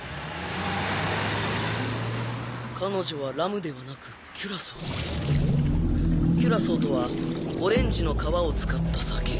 彼女はラムではなくキュラソーキュラソーとはオレンジの皮を使った酒。